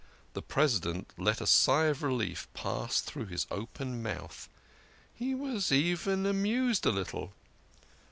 The President let a sigh of relief pass through his open mouth. He was even amused a little.